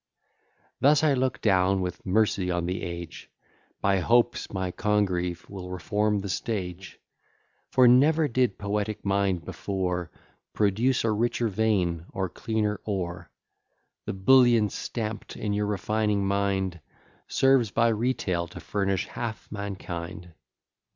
Thus I look down with mercy on the age, By hopes my Congreve will reform the stage: For never did poetic mind before Produce a richer vein, or cleaner ore; The bullion stamp'd in your refining mind Serves by retail to furnish half mankind.